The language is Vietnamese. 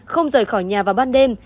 không rời khỏi nhà vào ban đêm